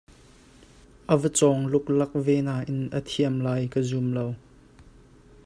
A va cawng luklak ve nain a thiam lai ka zum lo.